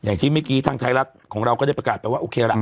อย่างที่เมื่อกี้ทางไทยรัฐของเราก็ได้ประกาศไปว่าโอเคล่ะ